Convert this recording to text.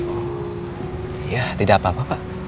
ya tidak apa apa pak